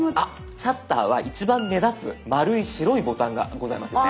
シャッターは一番目立つ丸い白いボタンがございますよね？